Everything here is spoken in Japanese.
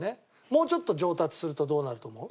もうちょっと上達するとどうなると思う？